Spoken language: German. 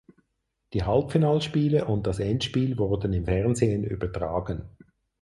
Die Halbfinalspiele und das Endspiel wurden im Fernsehen übertragen.